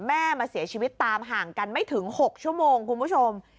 แม่มาเสียชีวิตตามห่างกันไม่ถึง๖ชั่วโมงคุณผู้ชม